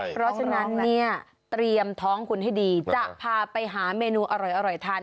เพราะฉะนั้นเนี่ยเตรียมท้องคุณให้ดีจะพาไปหาเมนูอร่อยทาน